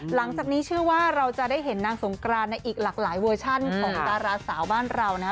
หลังจากนี้เชื่อว่าเราจะได้เห็นนางสงกรานในอีกหลากหลายเวอร์ชันของดาราสาวบ้านเรานะฮะ